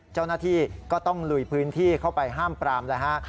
เจ้าหน้าที่ก็ต้องลุยพื้นที่เข้าไปห้ามปรามแล้วฮะ